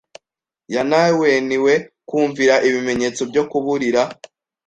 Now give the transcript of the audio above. yanaweniwe kumvira ibimenyetso byo kuburira.